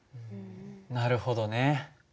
なるほどね。